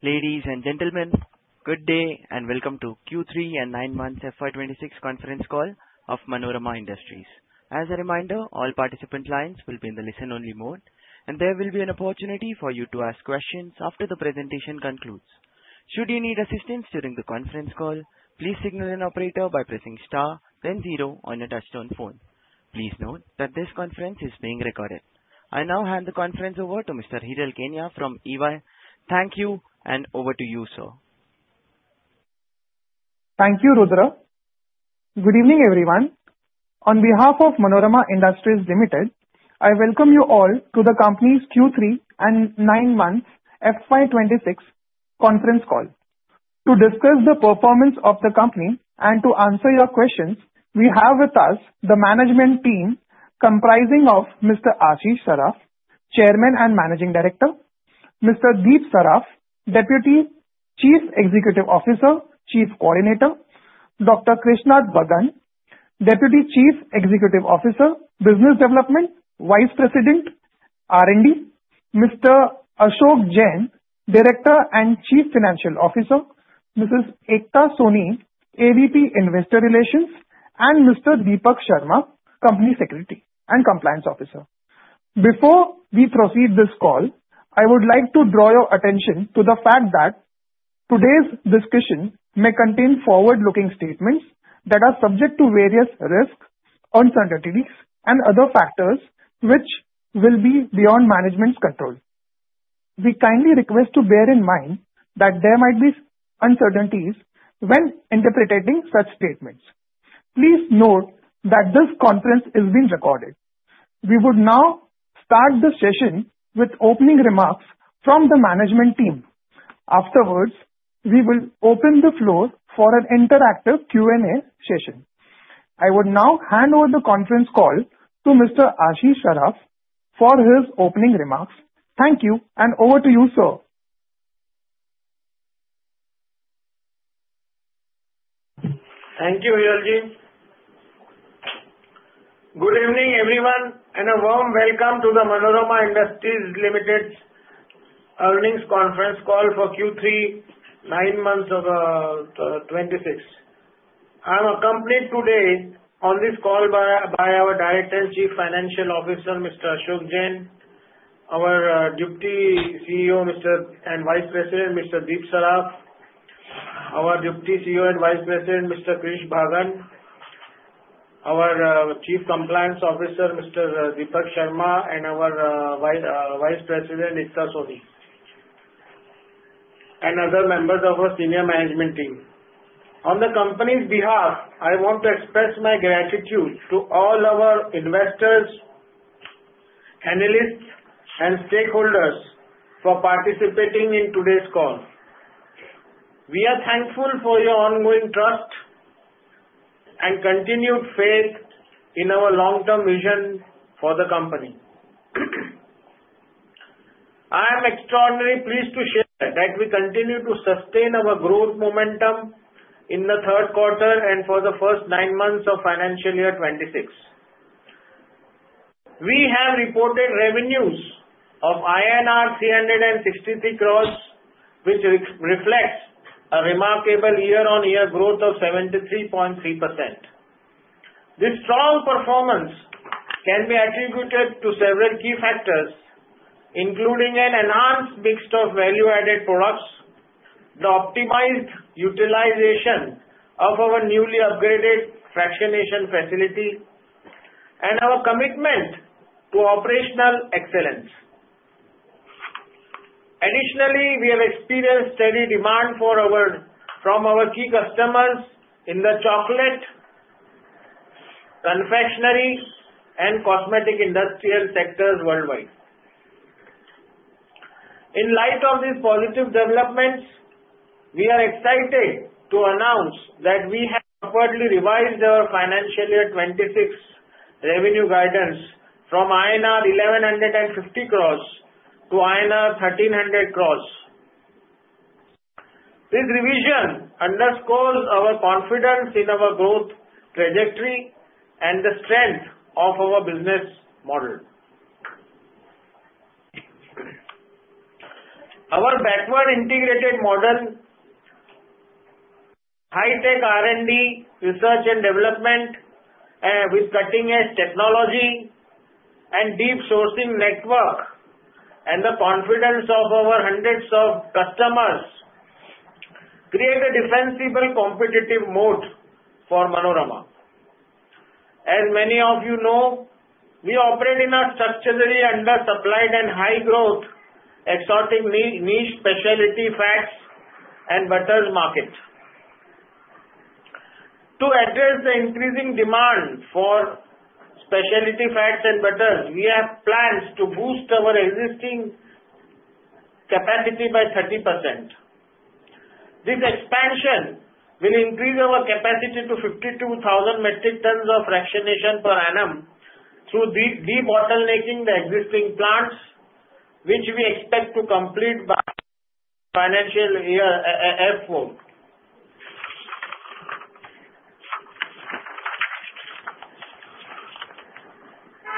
Ladies and gentlemen, good day and welcome to Q3 and Nine Months FY2026 Conference Call of Manorama Industries. As a reminder, all participant lines will be in the listen-only mode, and there will be an opportunity for you to ask questions after the presentation concludes. Should you need assistance during the conference call, please signal an operator by pressing star then zero on your touchtone phone. Please note that this conference is being recorded. I now hand the conference over to Mr. Hiral Keniya from EY. Thank you and over to you, sir. Thank you, Rudra. Good evening, everyone. On behalf of Manorama Industries Limited, I welcome you all to the company's Q3 and Nine Months FY 2026 Conference Call. To discuss the performance of the company and to answer your questions, we have with us the management team comprising of Mr. Ashish Saraf, Chairman and Managing Director, Mr. Deep Saraf, Deputy Chief Executive Officer, Chief Coordinator, Dr. Krishnadath Bhaggan, Deputy Chief Executive Officer, Business Development, Vice President, R&D. Mr. Ashok Jain, Director and Chief Financial Officer, Mrs. Ekta Soni, AVP, Investor Relations, and Mr. Deepak Sharma, Company Secretary and Compliance Officer. Before we proceed with this call, I would like to draw your attention to the fact that today's discussion may contain forward-looking statements that are subject to various risks, uncertainties, and other factors, which will be beyond management's control. We kindly request to bear in mind that there might be uncertainties when interpreting such statements. Please note that this conference is being recorded. We would now start the session with opening remarks from the management team. Afterwards, we will open the floor for an interactive Q&A session. I would now hand over the conference call to Mr. Ashish Saraf for his opening remarks. Thank you, and over to you, sir. Thank you, Hiral Ji. Good evening, everyone, and a warm welcome to the Manorama Industries Limited's Earnings Conference Call for Q3 Nine Months of 2026. I'm accompanied today on this call by our Director and Chief Financial Officer, Mr. Ashok Jain, our Deputy CEO and Vice President, Mr. Deep Saraf, our Deputy CEO and Vice President, Mr. Krishnadath Bhaggan, our Chief Compliance Officer, Mr. Deepak Sharma, and our Vice President, Ekta Soni, and other members of our senior management team. On the company's behalf, I want to express my gratitude to all our investors, analysts, and stakeholders for participating in today's call. We are thankful for your ongoing trust and continued faith in our long-term vision for the company. I am extraordinarily pleased to share that we continue to sustain our growth momentum in the third quarter and for the first nine months of financial year 2026. We have reported revenues of INR 363 crores, which reflects a remarkable year-on-year growth of 73.3%. This strong performance can be attributed to several key factors, including an enhanced mix of value-added products, the optimized utilization of our newly upgraded fractionation facility, and our commitment to operational excellence. Additionally, we have experienced steady demand from our key customers in the chocolate, confectionery, and cosmetics industries worldwide. In light of these positive developments, we are excited to announce that we have upwardly revised our financial year 2026 revenue guidance from INR 1,150 crores to INR 1,300 crores. This revision underscores our confidence in our growth trajectory and the strength of our business model. Our backward integrated model, high-tech R&D, research and development, with cutting-edge technology and deep sourcing network, and the confidence of our hundreds of customers create a defensible competitive moat for Manorama. As many of you know, we operate in a structurally under-supplied and high-growth, exotic niche specialty fats and butters market. To address the increasing demand for specialty fats and butters, we have plans to boost our existing capacity by 30%. This expansion will increase our capacity to 52,000 metric tons of fractionation per annum through debottlenecking the existing plants, which we expect to complete by financial year 2024.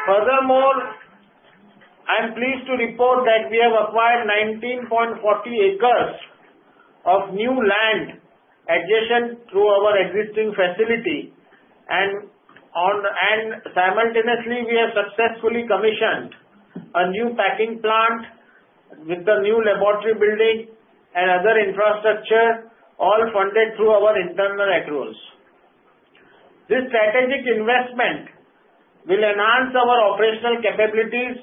Furthermore, I'm pleased to report that we have acquired 19.40 acres of new land adjacent to our existing facility and simultaneously, we have successfully commissioned a new packing plant with the new laboratory building and other infrastructure, all funded through our internal accruals. This strategic investment will enhance our operational capabilities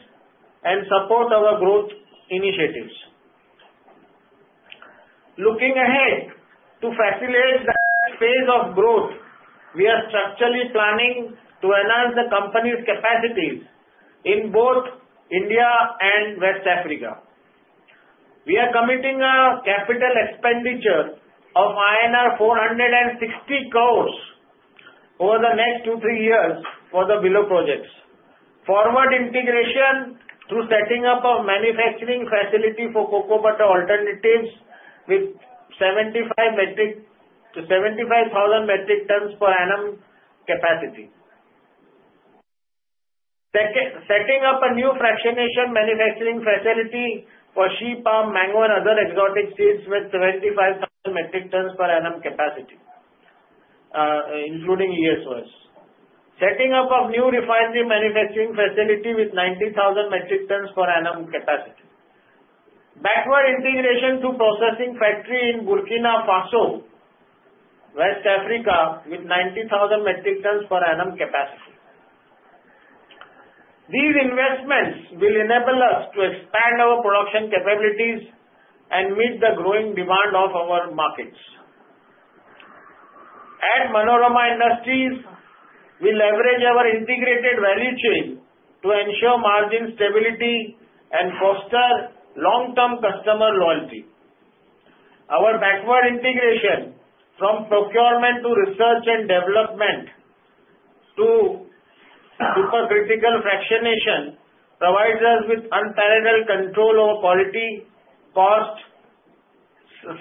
and support our growth initiatives. Looking ahead, to facilitate the next phase of growth, we are strategically planning to enhance the company's capacities in both India and West Africa. We are committing a capital expenditure of INR 460 crores over the next 2-3 years for the below projects. Forward integration through setting up a manufacturing facility for cocoa butter alternatives with 75 metric... 75,000 metric tons per annum capacity. Setting up a new fractionation manufacturing facility for shea palm, mango and other exotic seeds with 25,000 metric tons per annum capacity, including ESOS. Setting up a new refinery manufacturing facility with 90,000 metric tons per annum capacity. Backward integration through processing factory in Burkina Faso, West Africa, with 90,000 metric tons per annum capacity. These investments will enable us to expand our production capabilities and meet the growing demand of our markets. At Manorama Industries, we leverage our integrated value chain to ensure margin stability and foster long-term customer loyalty. Our backward integration from procurement to research and development to supercritical fractionation provides us with unparalleled control over quality, cost,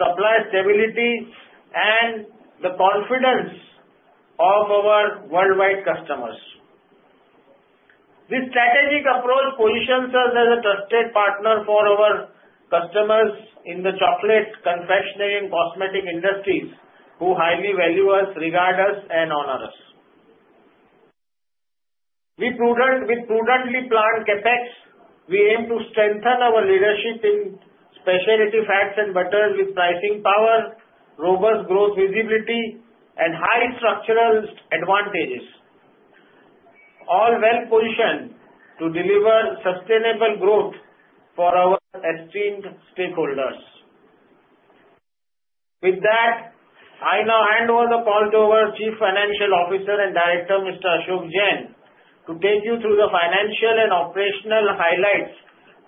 supply stability, and the confidence of our worldwide customers. This strategic approach positions us as a trusted partner for our customers in the chocolate, confectionery, and cosmetic industries who highly value us, regard us and honor us. We prudently planned Capex, we aim to strengthen our leadership in specialty fats and butters with pricing power, robust growth visibility and high structural advantages, all well-positioned to deliver sustainable growth for our esteemed stakeholders. With that, I now hand over the call to our Chief Financial Officer and Director, Mr. Ashok Jain, to take you through the financial and operational highlights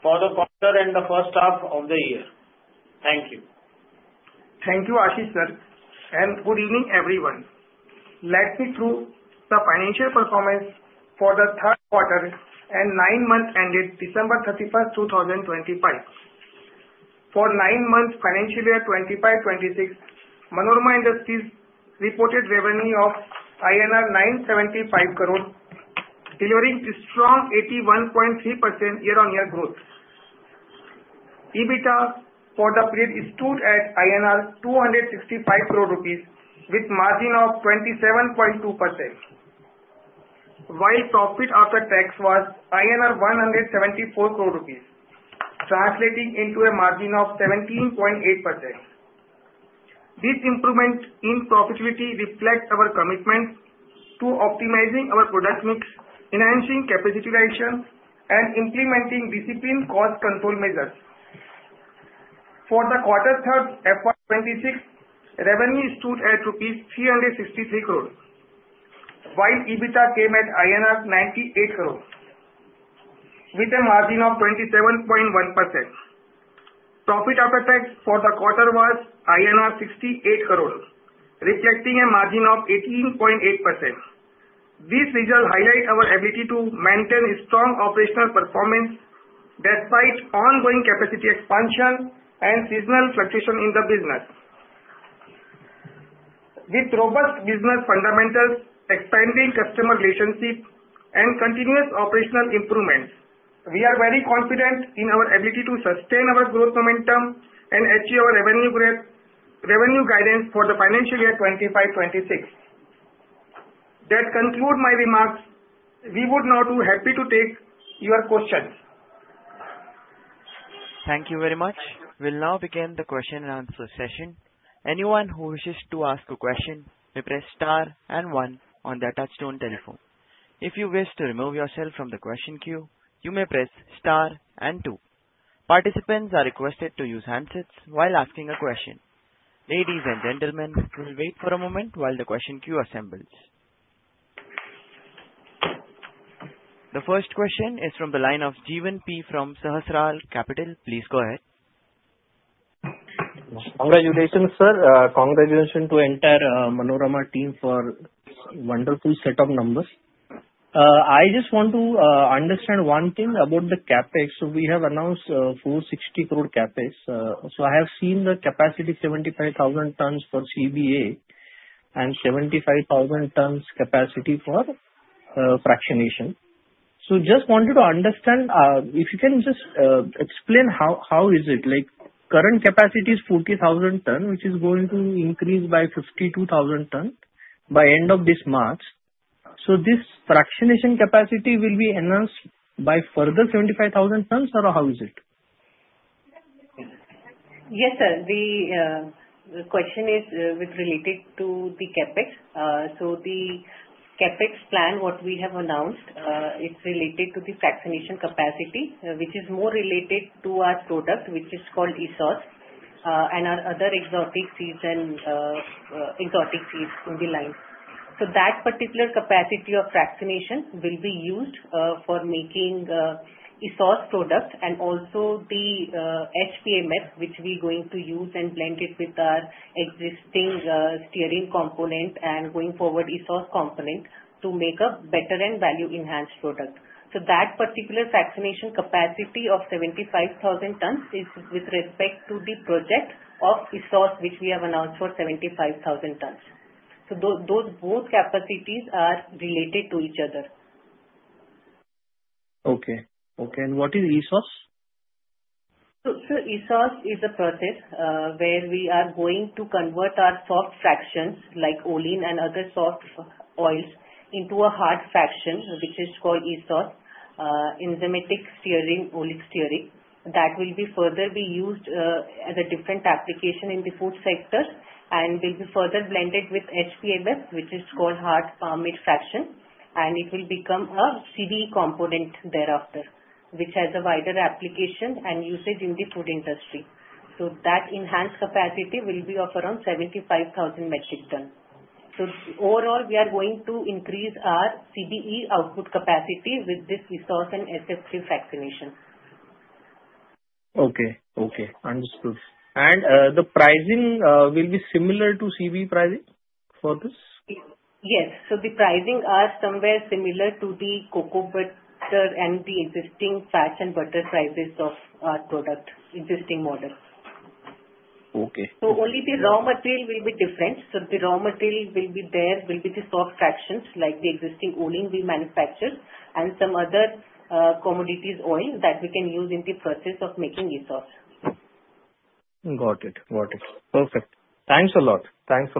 for the quarter and the first half of the year. Thank you. Thank you, Ashish, sir, and good evening, everyone. Let's walk through the financial performance for the third quarter and nine months ended December 31, 2025. For nine months, financial year 2025/26, Manorama Industries reported revenue of INR 975 crores, delivering a strong 81.3% year-on-year growth. EBITDA for the period stood at 265 crore rupees with margin of 27.2%, while profit after tax was 174 crore rupees, translating into a margin of 17.8%. This improvement in profitability reflects our commitment to optimizing our product mix, enhancing capitalization, and implementing disciplined cost control measures. For the third quarter FY 2026, revenue stood at rupees 363 crores, while EBITDA came at INR 98 crores with a margin of 27.1%. Profit after tax for the quarter was INR 68 crores, reflecting a margin of 18.8%. This result highlights our ability to maintain strong operational performance despite ongoing capacity expansion and seasonal fluctuation in the business. With robust business fundamentals, expanding customer relationships and continuous operational improvements, we are very confident in our ability to sustain our growth momentum and achieve our revenue guidance for the financial year 2025/2026. That concludes my remarks. We would now be happy to take your questions. Thank you very much. We'll now begin the question and answer session. Anyone who wishes to ask a question may press star and one on their touchtone telephone. If you wish to remove yourself from the question queue, you may press star and two. Participants are requested to use handsets while asking a question. Ladies and gentlemen, we'll wait for a moment while the question queue assembles. The first question is from the line of Jeevan P. from Sahasrar Capital. Please go ahead. Congratulations, sir. Congratulations to entire Manorama team for wonderful set of numbers. I just want to understand one thing about the Capex. We have announced 460 crore Capex. I have seen the capacity 75,000 tons for CBA and 75,000 tons capacity for fractionation. Just wanted to understand if you can just explain how is it. Like, current capacity is 40,000 tons, which is going to increase by 52,000 tons by end of this March. This fractionation capacity will be enhanced by further 75,000 tons, or how is it? Yes, sir. The question is related to the Capex. The Capex plan what we have announced is related to the fractionation capacity, which is more related to our product, which is called ESOS, and our other exotic seeds in the line. That particular capacity of fractionation will be used for making ESOS product and also the HPMF, which we're going to use and blend it with our existing stearin component and going forward, ESOS component to make a better end value enhanced product. That particular fractionation capacity of 75,000 tons is with respect to the project of ESOS, which we have announced for 75,000 tons. Those both capacities are related to each other. Okay, and what is ESOS? ESOS is a process where we are going to convert our soft fractions, like olein and other soft oils, into a hard fraction, which is called ESOS, enzymatic stearin, oleic stearin. That will further be used as a different application in the food sector, and will be further blended with HPMF, which is called hard palm mid-fraction. It will become a CBE component thereafter, which has a wider application and usage in the food industry. That enhanced capacity will be of around 75,000 metric tons. Overall, we are going to increase our CBE output capacity with this ESOS and HPMF fractionation. Okay, understood. The pricing will be similar to CBE pricing for this? Yes. The pricing are somewhere similar to the cocoa butter and the existing fats and butter prices of our product, existing models. Okay. Only the raw material will be different. The raw material will be the soft fractions, like the existing olein we manufacture and some other commodities oil that we can use in the process of making ESOS. Got it. Perfect. Thanks a lot. Thank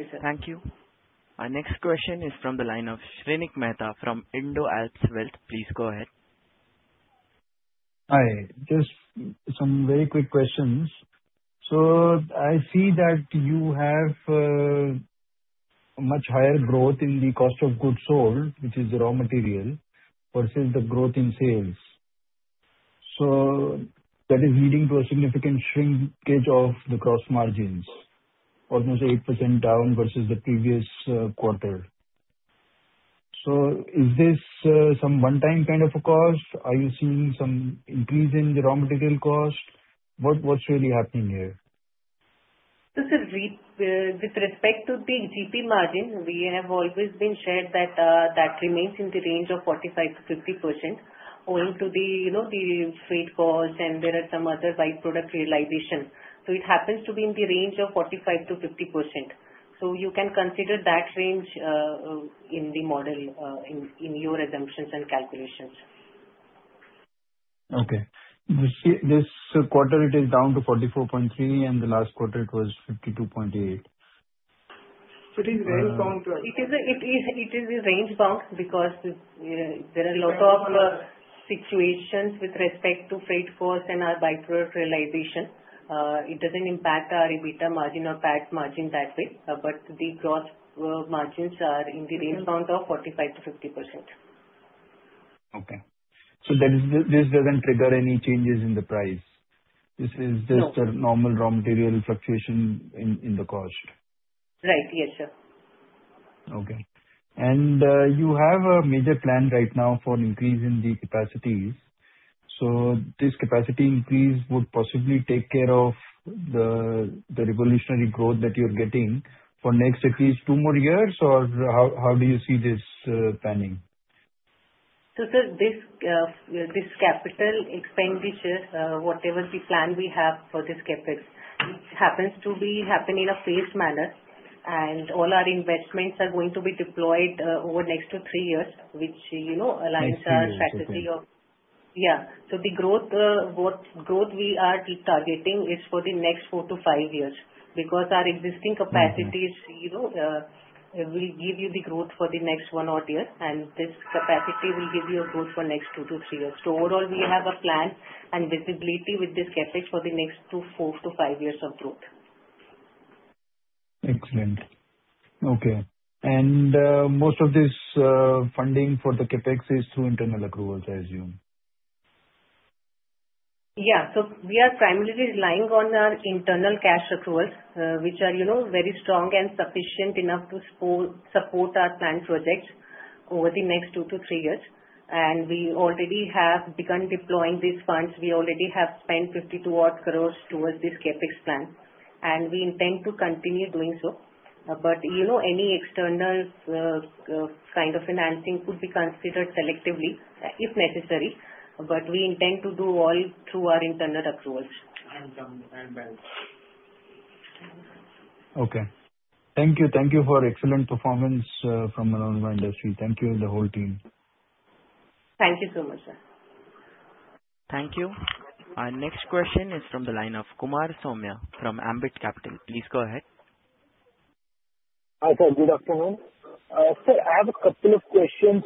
you, sir. Thank you. Our next question is from the line of Shrenik Mehta from IndoAlps Wealth. Please go ahead. Hi. Just some very quick questions. I see that you have much higher growth in the cost of goods sold, which is the raw material, versus the growth in sales. That is leading to a significant shrinkage of the gross margins, almost 8% down versus the previous quarter. Is this some one-time kind of a cost? Are you seeing some increase in the raw material cost? What is really happening here? Sir, with respect to the GP margin, we have always shared that that remains in the range of 45%-50% owing to the, you know, the freight costs and there are some other by-product realization. It happens to be in the range of 45%-50%. You can consider that range in the model in your assumptions and calculations. Okay. This quarter it is down to 44.3%, and the last quarter it was 52.8%. It is range bound, right? It is a range-bound because there are a lot of situations with respect to freight costs and our by-product realization. It doesn't impact our EBITDA margin or PAT margin that way, but the gross margins are in the range-bound of 45%-50%. Okay. This doesn't trigger any changes in the price. This is. No. Just a normal raw material fluctuation in the cost. Right. Yes, sir. Okay. You have a major plan right now for increasing the capacities. This capacity increase would possibly take care of the revolutionary growth that you're getting for next at least two more years, or how do you see this planning? This capital expenditures, whatever the plan we have for this Capex, it happens to be happening in a phased manner. All our investments are going to be deployed over the next two to three years, which, you know, aligns our strategy of- Next three years, okay. The growth we are targeting is for the next 4 years-5 years. Because our existing capacities- You know, will give you the growth for the next one-odd year, and this capacity will give you a growth for next 2-3 years. Overall we have a plan and visibility with this Capex for the next 2, 4-5 years of growth. Excellent. Okay. Most of this funding for the Capex is through internal accruals, I assume. We are primarily relying on our internal cash accruals, which are, you know, very strong and sufficient enough to support our planned projects over the next 2-3 years. We already have begun deploying these funds. We already have spent 52 odd crores towards this Capex plan, and we intend to continue doing so. You know, any external kind of financing could be considered selectively, if necessary. We intend to do all through our internal accruals. banks. Okay. Thank you. Thank you for excellent performance from Manorama Industries. Thank you to the whole team. Thank you so much, sir. Thank you. Our next question is from the line of Kumar Saumya from Ambit Capital. Please go ahead. Hi, sir. Good afternoon. Sir, I have a couple of questions.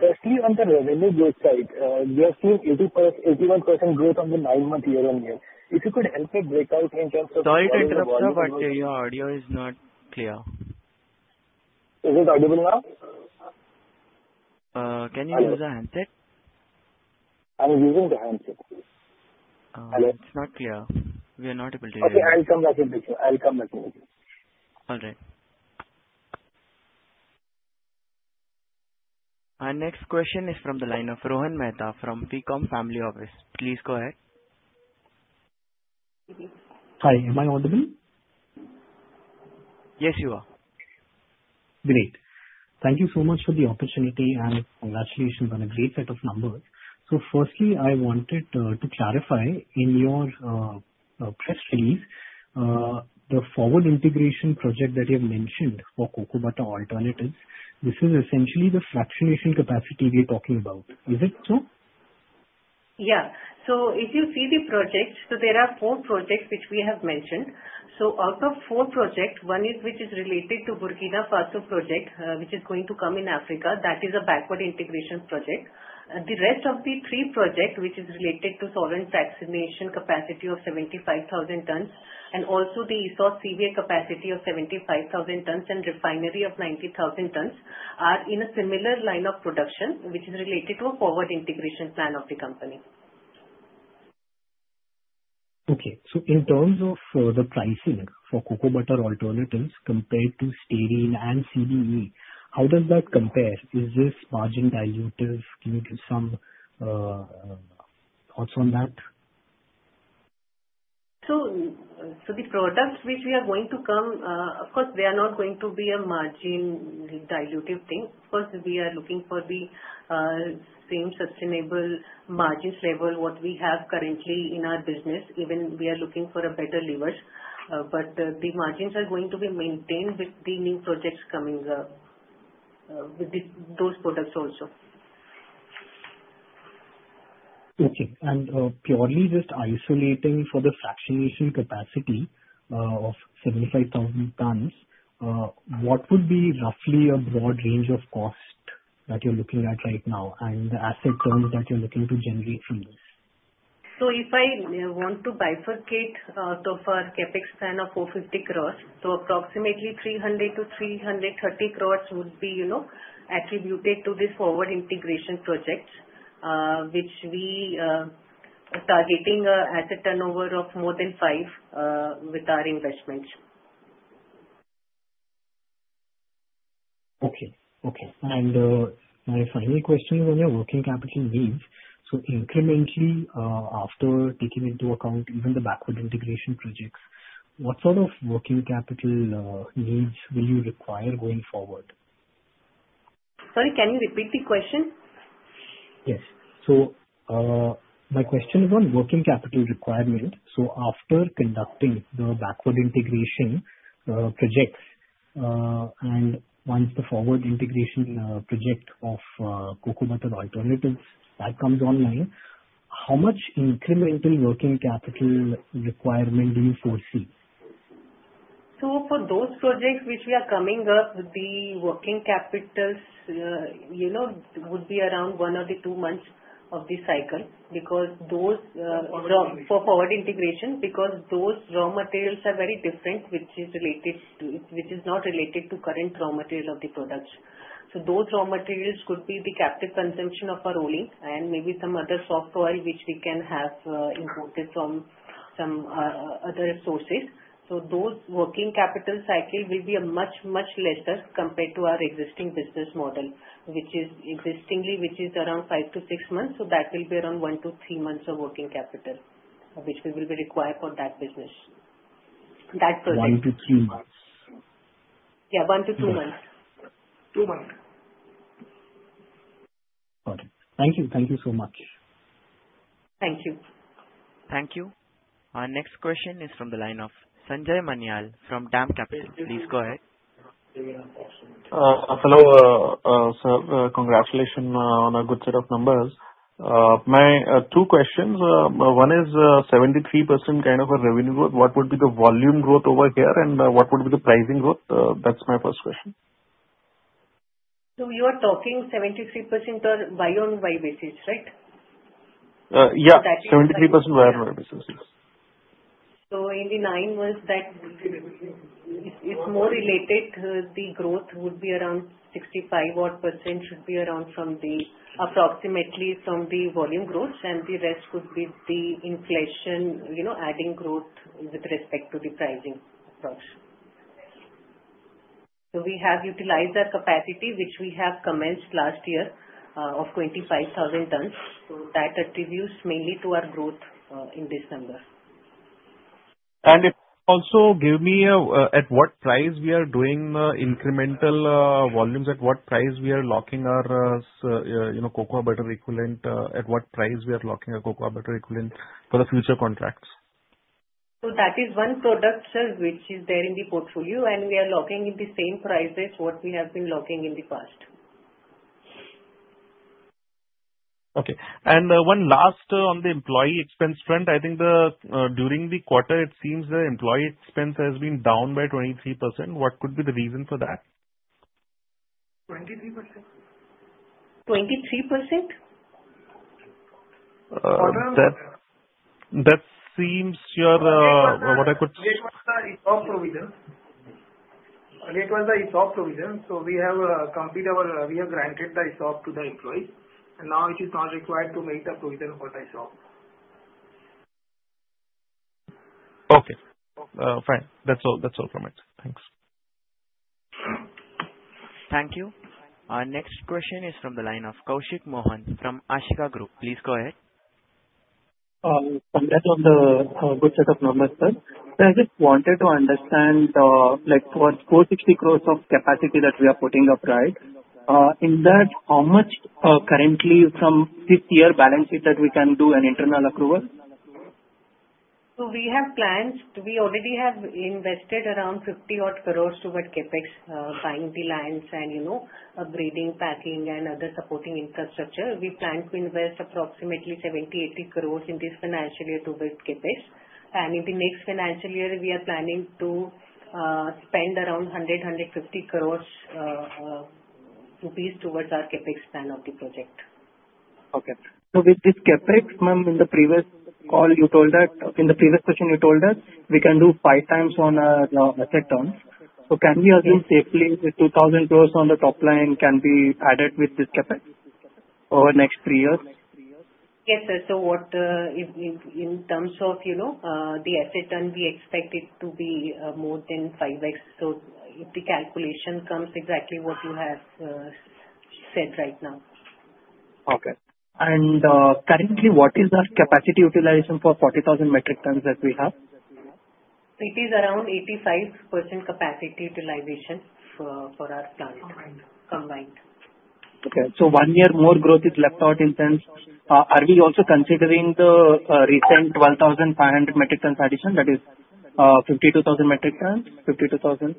Firstly, on the revenue growth side, we are seeing 81% growth on the nine-month year-on-year. If you could help me break out in terms of- Sorry to interrupt, sir, but your audio is not clear. Is it audible now? Can you use a handset? I'm using the handset. It's not clear. We are not able to hear you. Okay, I'll come back in picture. All right. Our next question is from the line of Rohan Mehta from Ficom Family Office. Please go ahead. Hi, am I audible? Yes, you are. Great. Thank you so much for the opportunity, and congratulations on a great set of numbers. Firstly, I wanted to clarify, in your press release, the forward integration project that you have mentioned for Cocoa Butter Alternatives, this is essentially the fractionation capacity we're talking about. Is it so? If you see the projects, there are four projects which we have mentioned. Out of four projects, one, which is related to the Burkina Faso project, which is going to come in Africa, is a backward integration project. The rest of the three projects, which are related to solvent fractionation capacity of 75,000 tons, and also the shea CBA capacity of 75,000 tons, and refinery of 90,000 tons, are in a similar line of production, which is related to a forward integration plan of the company. Okay. In terms of the pricing for Cocoa Butter Alternatives compared to stearin and CBE, how does that compare? Is this margin dilutive? Can you give some thoughts on that? The products which we are going to come, of course they are not going to be a margin dilutive thing. Of course we are looking for the same sustainable margins level what we have currently in our business, even we are looking for a better levers. The margins are going to be maintained with the new projects coming up, with those products also. Okay. Purely just isolating for the fractionation capacity of 75,000 tons, what would be roughly a broad range of cost that you're looking at right now and the asset turnover that you're looking to generate from this? If I want to bifurcate out of our Capex plan of 450 crore, approximately 300 crore-330 crore would be, you know, attributed to this forward integration projects, which we are targeting at a turnover of more than five with our investments. Okay. My final question on your working capital needs. Incrementally, after taking into account even the backward integration projects, what sort of working capital needs will you require going forward? Sorry, can you repeat the question? Yes. My question is on working capital requirement. After conducting the backward integration projects, and once the forward integration project of Cocoa Butter Alternatives that comes online, how much incremental working capital requirement do you foresee? For those projects which we are coming up, the working capitals, you know, would be around one or two months of the cycle because those Forward integration. For forward integration, because those raw materials are very different, which is not related to current raw material of the products. Those raw materials could be the captive consumption of our olein and maybe some other soft oil, which we can have imported from some other sources. Those working capital cycle will be a much, much lesser compared to our existing business model, which is around 5 month-6 months. That will be around 1 month-3 months of working capital, which we will be required for that business. That project. 1 month-3 months. Yeah, 1 month-2 months. Two months. Got it. Thank you. Thank you so much. Thank you. Thank you. Our next question is from the line of Sanjay Manyal from DAM Capital. Please go ahead. Hello, sir. Congratulations on a good set of numbers. My two questions. One is, 73% kind of a revenue growth. What would be the volume growth over here, and what would be the pricing growth? That's my first question. You are talking 73% on year-on-year basis, right? Yeah. That is- 73% year-on-year basis. Yes. In the nine months that it's more related, the growth would be around 65-odd% should be around from the approximately from the volume growth and the rest would be the inflation, you know, adding growth with respect to the pricing approach. We have utilized our capacity, which we have commenced last year, of 25,000 tons. That contributes mainly to our growth in this number. If also give me at what price we are doing incremental volumes, at what price we are locking our, you know, Cocoa Butter Equivalent for the future contracts? That is one product, sir, which is there in the portfolio, and we are locking in the same prices what we have been locking in the past. Okay. One last on the employee expense front. I think during the quarter, it seems the employee expense has been down by 23%. What could be the reason for that? 23%. 23%? That seems your what I could It was the ESOP provision. We have granted the ESOP to the employees and now it is not required to make the provision for the ESOP. Okay. Fine. That's all from it. Thanks. Thank you. Our next question is from the line of Koushik Mohan from Ashika Group. Please go ahead. Congrats on the good set of numbers, sir. I just wanted to understand like toward 460 crores of capacity that we are putting up. In that, how much currently from this year balance sheet that we can do an internal accrual? We have plans. We already have invested around 50-odd crore towards Capex, buying the lands and upgrading packaging and other supporting infrastructure. We plan to invest approximately 70 crore-80 crore in this financial year towards Capex. In the next financial year we are planning to spend around 100 crore-150 crore rupees towards our Capex plan of the project. With this Capex, ma'am, in the previous question you told us we can do five times on asset terms. Can we assume safely the 2,000 crores on the top line can be added with this Capex over the next three years? Yes, sir. In terms of, you know, the asset and we expect it to be more than 5x. If the calculation comes exactly what you have said right now. Okay. Currently, what is our capacity utilization for 40,000 metric tons that we have? It is around 85% capacity utilization for our plant. Combined. Combined. One year more growth is left out in sense. Are we also considering the recent 12,500 metric tons addition, that is, 52,000 metric tons, 52,000 for next year growth?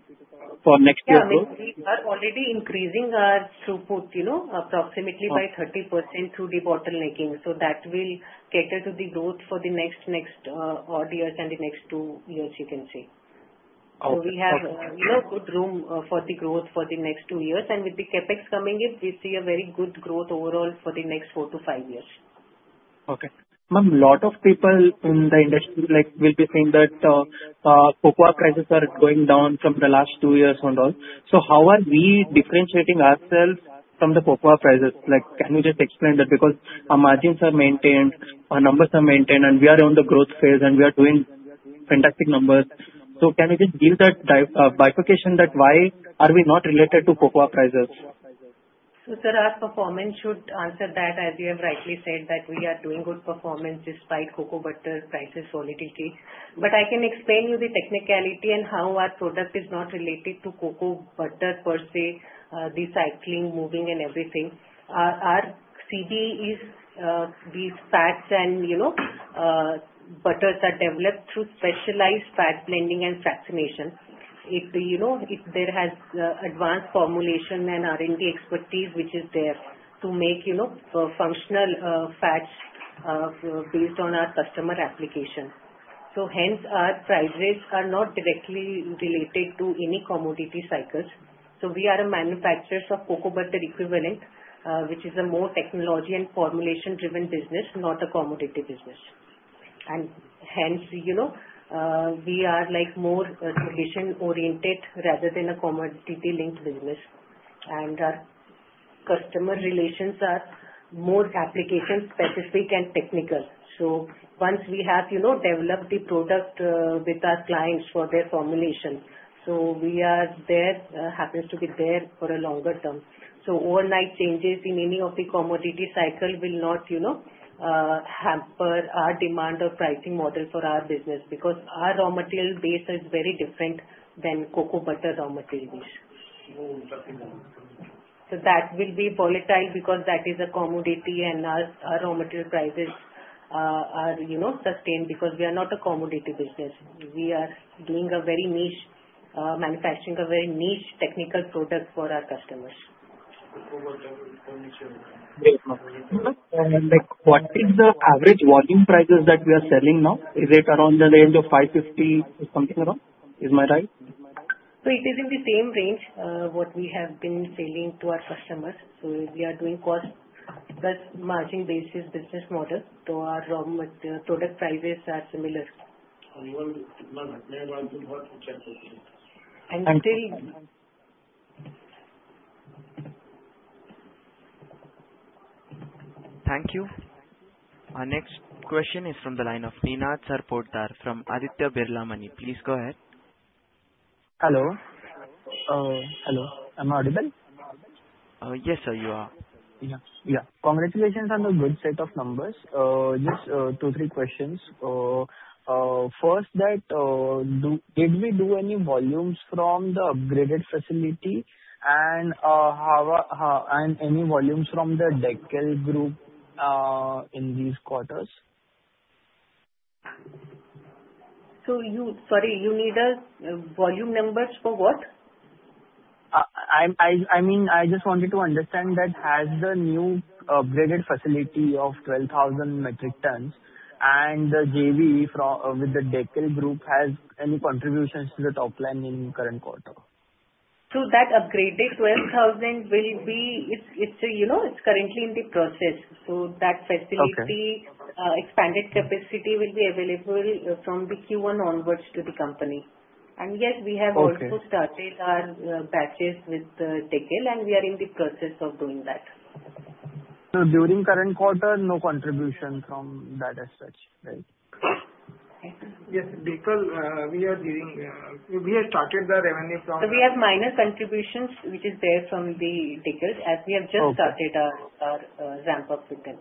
Yeah, we are already increasing our throughput, you know, approximately by 30% through the debottlenecking. That will cater to the growth for the next odd years and the next two years you can say. Okay. We have, you know, good room for the growth for the next two years. With the Capex coming in, we see a very good growth overall for the next four to five years. Okay. Ma'am, lot of people in the industry like will be saying that, cocoa prices are going down from the last two years and all. How are we differentiating ourselves from the cocoa prices? Like, can you just explain that? Because our margins are maintained, our numbers are maintained, and we are on the growth phase and we are doing fantastic numbers. Can you just give that bifurcation that why are we not related to cocoa prices? Sir, our performance should answer that. As you have rightly said that we are doing good performance despite cocoa butter price volatility. I can explain to you the technicality and how our product is not related to cocoa butter per se, the cycling, moving and everything. Our CBE is these fats and, you know, butters are developed through specialized fat blending and fractionation. It requires advanced formulation and R&D expertise which is there to make functional fats based on our customer application. Hence our prices are not directly related to any commodity cycles. We are manufacturers of cocoa butter equivalent, which is a more technology and formulation-driven business, not a commodity business. We are more solution-oriented rather than a commodity-linked business. Our customer relations are more application-specific and technical. Once we have, you know, developed the product with our clients for their formulation, so we are there, happens to be there for a longer term. Overnight changes in any of the commodity cycle will not, you know, hamper our demand or pricing model for our business because our raw material base is very different than cocoa butter raw material base. That will be volatile because that is a commodity and our raw material prices are, you know, sustained because we are not a commodity business. We are doing a very niche, manufacturing a very niche technical product for our customers. Great, ma'am. Ma'am, like what is the average volume prices that we are selling now? Is it around the range of 550 something around? Am I right? It is in the same range, what we have been selling to our customers. We are doing cost-plus margin-basis business model. Our raw material product prices are similar. Thank you. Thank you. Our next question is from the line of Ninad Sarpotdar from Aditya Birla Money. Please go ahead. Hello. Hello, am I audible? Yes, sir, you are. Congratulations on the good set of numbers. Just two, three questions. First, did we do any volumes from the upgraded facility and any volumes from the Dekel Group in these quarters? Sorry, you need volume numbers for what? I mean, I just wanted to understand that has the new upgraded facility of 12,000 metric tons and the JV with the Dekel Group has any contributions to the top line in current quarter. That upgraded 12,000 will be. It's, you know, it's currently in the process. That facility Okay. Expanded capacity will be available from the Q1 onwards to the company. Yes, we have also- Okay. Started our batches with Dekel, and we are in the process of doing that. During current quarter, no contribution from that as such, right? Right. Yes. Because we are dealing. We have started the revenue from- We have minor contributions which is there from the Dekel as we have just- Okay. started our ramp up with them.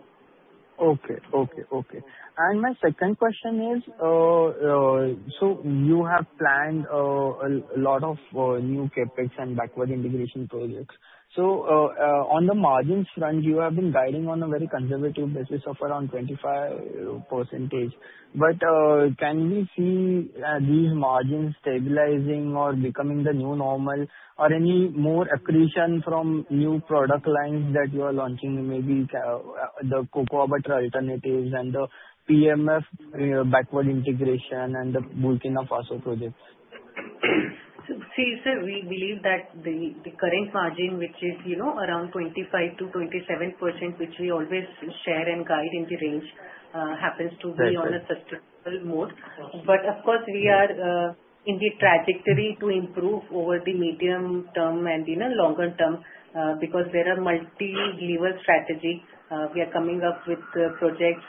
My second question is, so you have planned a lot of new Capex and backward integration projects. On the margins front, you have been guiding on a very conservative basis of around 25%. Can we see these margins stabilizing or becoming the new normal or any more accretion from new product lines that you are launching, maybe the cocoa butter alternatives and the HPMF, you know, backward integration and the Burkina Faso projects? See, sir, we believe that the current margin, which is, you know, around 25%-27%, which we always share and guide in the range, happens to be. Right, right. on a sustainable mode. Of course, we are in the trajectory to improve over the medium term and in a longer term, because there are multi-lever strategy. We are coming up with projects,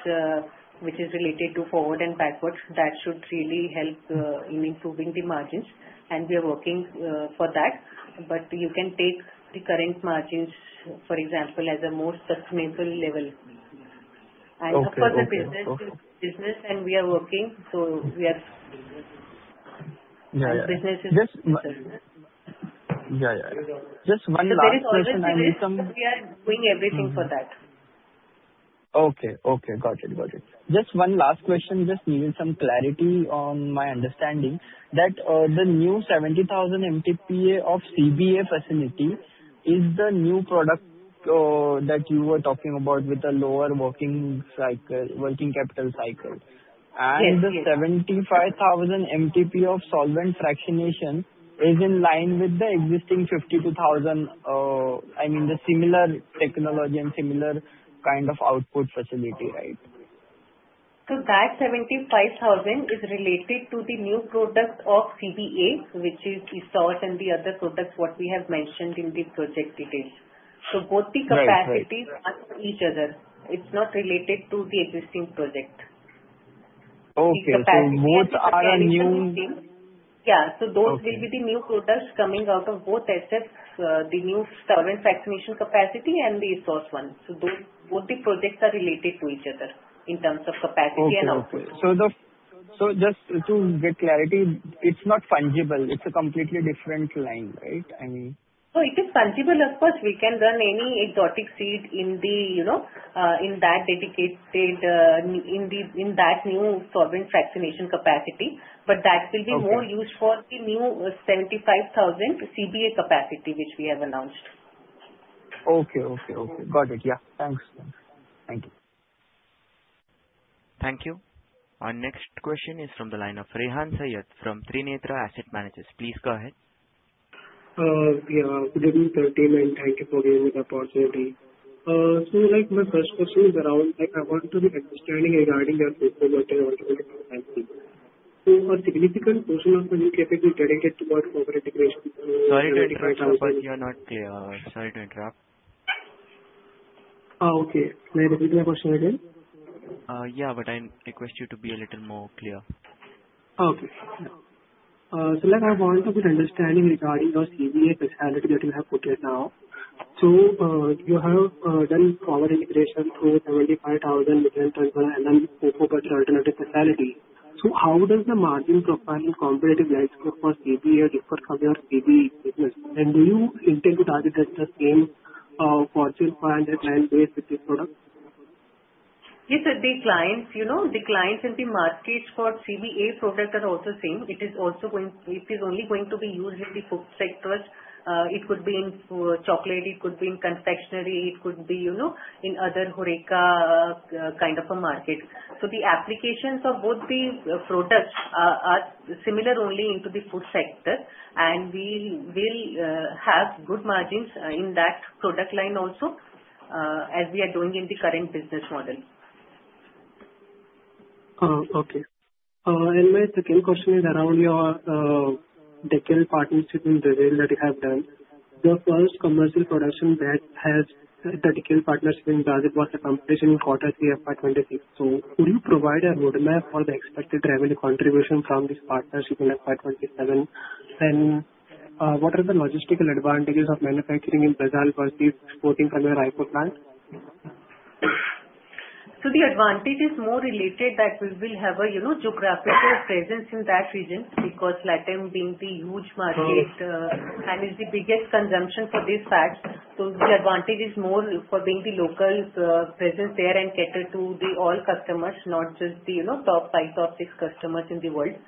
which is related to forward and backwards. That should really help in improving the margins, and we are working for that. You can take the current margins, for example, as a more sustainable level. Of course Okay. The business is business and we are working, so we are. Yeah, yeah. Our business is. Yeah, yeah. Just one last question. I need some- There is all the business, but we are doing everything for that. Okay. Got it. Just one last question. Just needing some clarity on my understanding that the new 70,000 MTPA of CBA facility is the new product that you were talking about with a lower working cycle, working capital cycle. Yes. The 75,000 MTPA of solvent fractionation is in line with the existing 52,000, I mean the similar technology and similar kind of output facility, right? That 75,000 is related to the new product of CBA, which is the source and the other products what we have mentioned in the project details. Both the capacities- Right. Right. It's not related to the existing project. Okay. Both are new. The capacity and the fractionation unit. Yeah. Okay. Those will be the new products coming out of both assets. The new solvent fractionation capacity and the Solvent one. Those, both the projects are related to each other in terms of capacity and output. Just to get clarity, it's not fungible. It's a completely different line, right? I mean. No, it is fungible. Of course, we can run any exotic seed, you know, in that dedicated, in that new solvent fractionation capacity. But that will be- Okay. more used for the new 75,000 CBA capacity, which we have announced. Okay. Got it. Yeah. Thanks. Thank you. Thank you. Our next question is from the line of Rehan Saiyyed from Trinetra Asset Managers. Please go ahead. Yeah. Good evening, everyone, and thank you for giving me the opportunity. Like, my first question is around, like, I want to better understand regarding your portfolio. A significant portion of your new capacity dedicated toward forward integration- Sorry to interrupt, sir, but you're not clear. Sorry to interrupt. Oh, okay. May I repeat my question again? I request you to be a little more clear. Okay. Like, I want to understand regarding your CBA facility that you have put here now. You have done forward integration through 75,000 metric ton and then cocoa butter alternative facility. How does the margin profile, competitive landscape for CBA differ from your CB business? Do you intend to target the same Fortune 500 large brand food products? Yes, sir. The clients, you know, the clients in the markets for CBA products are also same. It is only going to be used in the food sectors. It could be in chocolate, it could be in confectionery, it could be, you know, in other HoReCa kind of a market. The applications of both the products are similar only into the food sector, and we will have good margins in that product line also as we are doing in the current business model. Okay. My second question is around your Dekel partnership in Brazil that you have done. Your first commercial production that has the Dekel partnership in Brazil was commissioned in quarter three of FY 2023. Could you provide a roadmap for the expected revenue contribution from this partnership in FY 2027? What are the logistical advantages of manufacturing in Brazil versus exporting from your Hyderabad plant? The advantage is more related to that we will have a, you know, geographical presence in that region because LATAM being the huge market and is the biggest consumption for these fats. The advantage is more for being the local presence there and cater to the oil customers, not just the, you know, top five, top six customers in the world.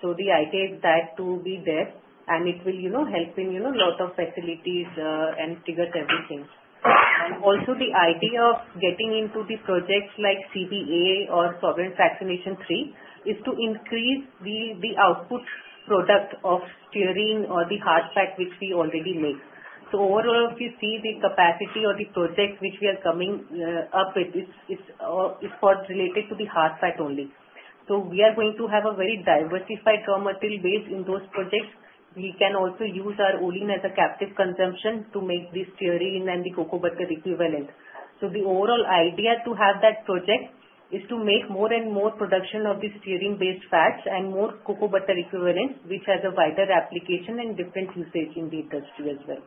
The idea is that to be there and it will, you know, help in a lot of facilities and figuring everything. The idea of getting into the projects like CBA or Solvent Fractionation Three is to increase the output product of stearin or the hard fat which we already make. Overall, if you see the capacity or the project which we are coming up with, it's related to the hard fat only. We are going to have a very diversified raw material base in those projects. We can also use our olein as a captive consumption to make the stearin and the cocoa butter equivalent. The overall idea to have that project is to make more and more production of the stearin-based fats and more cocoa butter equivalents, which has a wider application and different usage in the industry as well.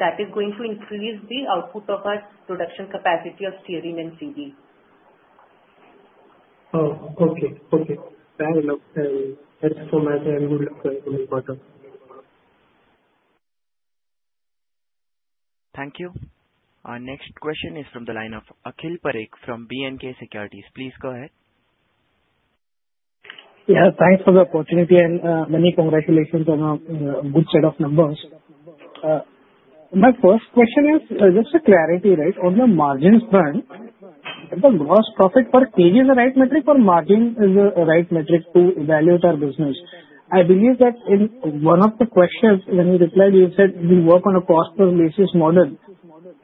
That is going to increase the output of our production capacity of stearin and CB. Oh, okay. Fair enough. Thanks so much and good luck for your quarter. Thank you. Our next question is from the line of Akhil Parekh from B&K Securities. Please go ahead. Yeah, thanks for the opportunity and many congratulations on a good set of numbers. My first question is just a clarity, right, on the margins front. Is the gross profit per kg the right metric or margin is the right metric to evaluate our business? I believe that in one of the questions when you replied, you said we work on a cost-plus basis model.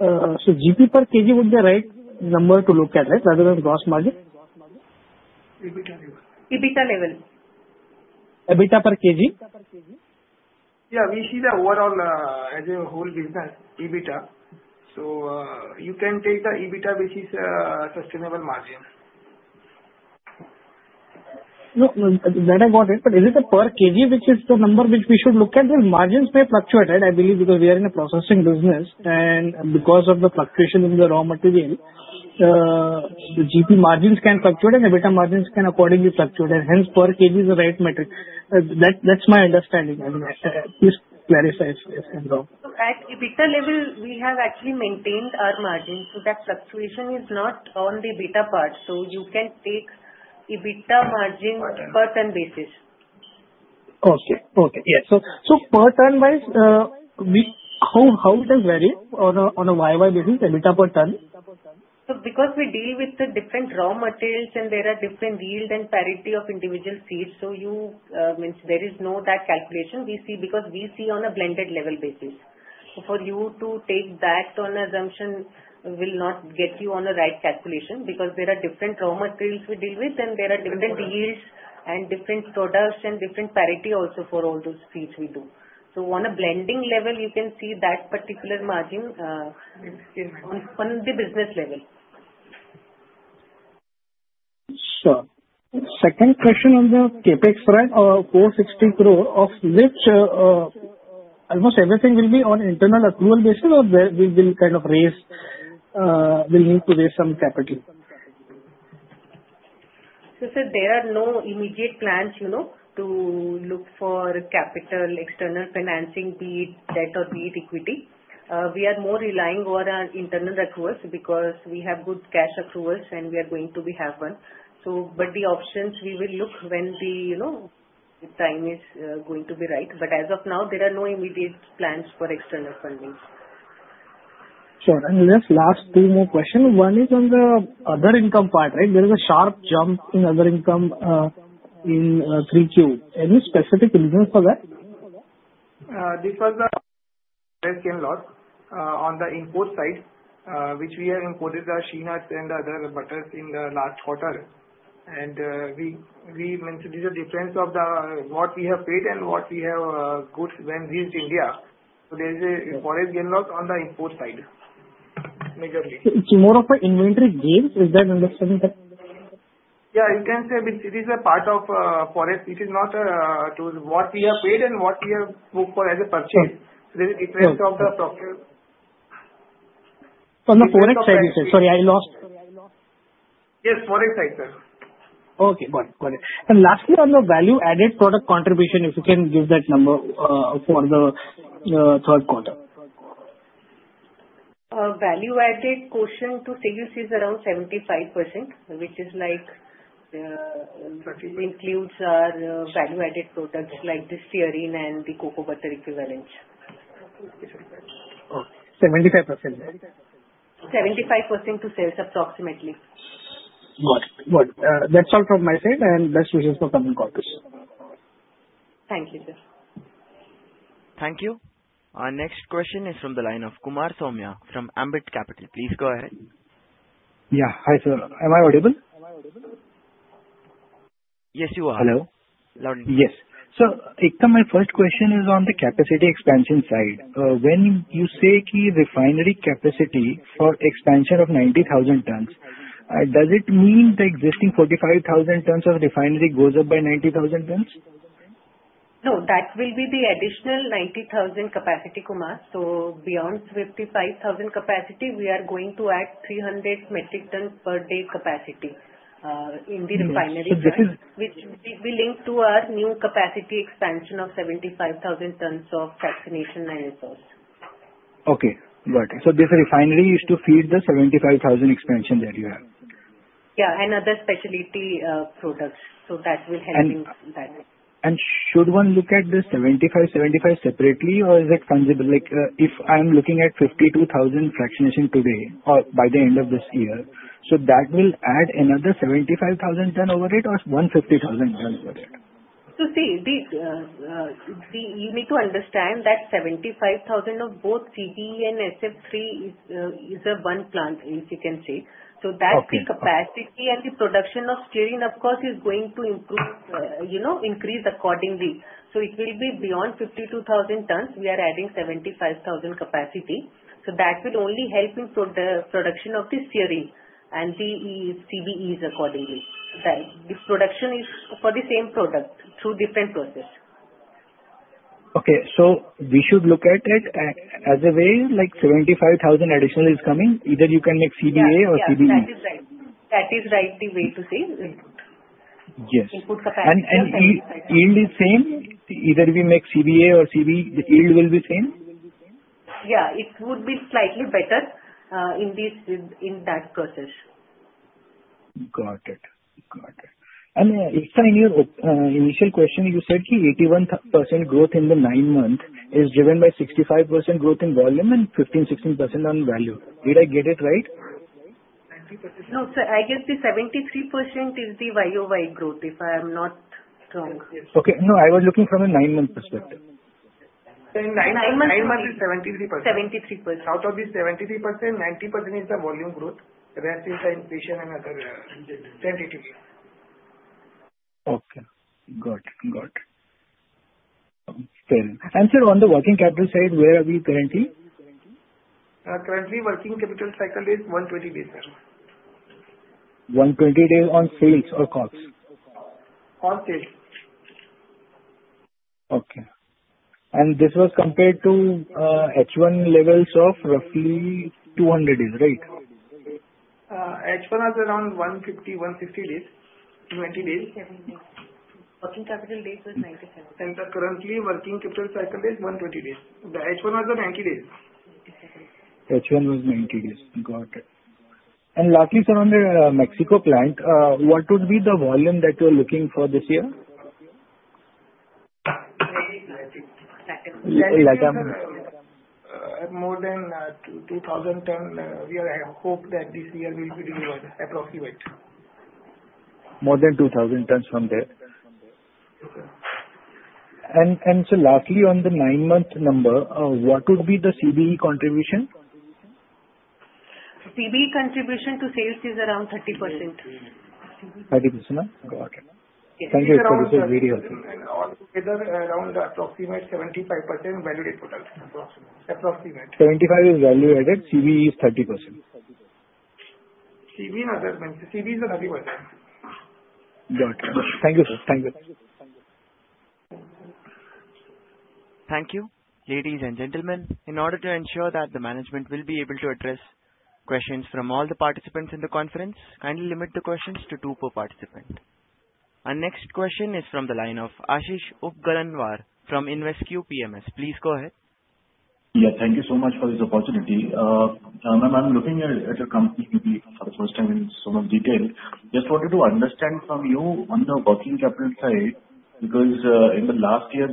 GP per kg would be the right number to look at, right? Rather than gross margin. EBITDA level. EBITDA level. EBITDA per kg? Yeah, we see the overall, as a whole business, EBITDA. You can take the EBITDA, which is sustainable margin. No, no, that I got it. Is it the per kg which is the number which we should look at? The margins may fluctuate, I believe because we are in a processing business and because of the fluctuation in the raw material, the GP margins can fluctuate and EBITDA margins can accordingly fluctuate. Hence per kg is the right metric. That's my understanding. I mean, please clarify if it's yes and no. At EBITDA level, we have actually maintained our margin, so that fluctuation is not on the EBITDA part. You can take EBITDA margin % basis. Okay. Yes. So per ton wise, how it is varying on a YoY basis, EBITDA per ton? Because we deal with the different raw materials and there are different yields and parity of individual feeds, it means there is no that calculation we see because we see on a blended level basis. For you to take that on assumption will not get you on the right calculation because there are different raw materials we deal with and there are different yields and different products and different parity also for all those feeds we do. On a blending level, you can see that particular margin on the business level. Sure. Second question on the Capex front, 460 crore of which, almost everything will be on internal accrual basis or where we will kind of raise, we'll need to raise some capital. There are no immediate plans, you know, to look for capital, external financing, be it debt or be it equity. We are more relying on our internal accruals because we have good cash accruals and we are going to be having. The options we will look when the, you know, the time is going to be right. As of now, there are no immediate plans for external funding. Sure. Just last two more questions. One is on the other income part, right? There is a sharp jump in other income, in three Q. Any specific reasons for that? This was the gain loss on the import side, which we have imported the sheanut and other butters in the last quarter. We mentioned this is the difference of the, what we have paid and what we have, goods when reached India. There is a foreign gain loss on the import side, majorly. It's more of an inventory gain. Is that understanding that? Yeah, you can say. I mean, it is a part of forex. It is not to what we have paid and what we have booked for as a purchase. Sure. Sure. There is a difference of the procurement. On the forex side, you say? Sorry, I lost. Yes, forex side, sir. Okay, got it. Lastly, on the value-added product contribution, if you can give that number for the third quarter. Value-added quotient to sales is around 75%, which includes our value-added products like the stearin and the cocoa butter equivalents. Oh, 75%. 75% to sales, approximately. Got it. That's all from my side, and best wishes for coming quarters. Thank you, sir. Thank you. Our next question is from the line of Kumar Saumya from Ambit Capital. Please go ahead. Yeah. Hi, sir. Am I audible? Yes, you are. Hello. Loud and clear. Yes. Ekta, my first question is on the capacity expansion side. When you say key refinery capacity for expansion of 90,000 tons, does it mean the existing 45,000 tons of refinery goes up by 90,000 tons? No, that will be the additional 90,000 capacity, Kumar. Beyond 55,000 capacity, we are going to add 300 metric ton per day capacity. Yes. This is In the refinery plant, which will be linked to our new capacity expansion of 75,000 tons of fractionation and ISO. Okay, got it. This refinery is to feed the 75,000 expansion that you have. Yeah, another specialty, products. That will help you that way. Should one look at the 75 separately, or is it tangible? Like, if I'm looking at 52,000 fractionation today or by the end of this year, that will add another 75,000 ton over it or 150,000 ton over it? You need to understand that 75,000 of both CBE and SF3 is a one plant, as you can say. Okay. That the capacity and the production of stearin, of course, is going to improve, you know, increase accordingly. It will be beyond 52,000 tons. We are adding 75,000 capacity, so that will only help the production of the stearin and the CBE, CBEs accordingly. Right. This production is for the same product through different process. Okay, we should look at it as a way, like 75,000 additional is coming. Either you can make CBA or CBE. Yeah. That is right, the way to say input. Yes. Input capacity and. Yield is same? Either we make CBA or CBE, the yield will be same? Yeah, it would be slightly better in this, in that process. Got it. Ekta, in your initial question you said 81% growth in the nine-month is driven by 65% growth in volume and 15%-16% on value. Did I get it right? 70%. No, sir. I guess the 73% is the YOY growth, if I'm not wrong. Yes. Okay. No, I was looking from a nine-month perspective. In months months. Nine months is 73%. 73%. Out of the 73%, 90% is the volume growth, rest is inflation and other sensitivity. Okay. Got it. Fair. Sir, on the working capital side, where are we currently? Currently working capital cycle is 120 days, sir. 120 days on sales or costs? Cost sales. Okay. This was compared to H1 levels of roughly 200 days, right? H1 was around 150-160 days, 20 days. 7 days. Working capital days was 97. Currently working capital cycle is 120 days. The H1 was 90 days. H1 was 90 days. Got it. Lastly, sir, on the Mexico plant, what would be the volume that you're looking for this year? More than 2,000 tons. We hope that this year will be delivered approximately. More than 2,000 tons from there. Okay. Lastly on the 9-month number, what would be the CBE contribution? CBE contribution to sales is around 30%. 30%? Got it. Yes. Thank you, sir. This is very helpful. Around approximate 75% value-added products. Approximate. 75 is value added. CBE is 30%. CBE is another 30%. Got it. Thank you, sir. Thank you. Thank you. Thank you. Ladies and gentlemen, in order to ensure that the management will be able to address questions from all the participants in the conference, kindly limit the questions to two per participant. Our next question is from the line of Aashish Upganlawar from InvestQ PMS. Please go ahead. Yeah. Thank you so much for this opportunity. I'm looking at your company maybe for the first time in so much detail. Just wanted to understand from you on the working capital side, because in the last year